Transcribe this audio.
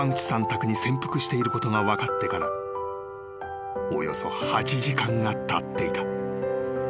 宅に潜伏していることが分かってからおよそ８時間がたっていた］